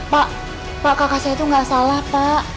pak pak kakak saya tuh gak salah pak